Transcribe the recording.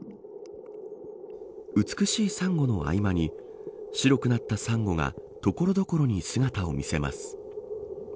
美しいサンゴの合間に白くなったサンゴが所々に姿を見せます。